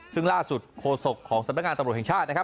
ซึ่งล่าสุดโฆษกของสำนักงานตำรวจแห่งชาตินะครับ